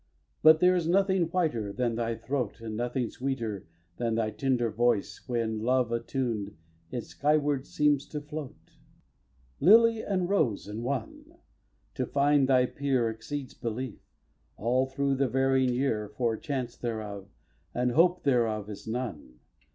But there is nothing whiter than thy throat, And nothing sweeter than thy tender voice When, love attuned, it skyward seems to float. xiii. Lily and rose in one! To find thy peer Exceeds belief, all through the varying year, For chance thereof, and hope thereof, is none.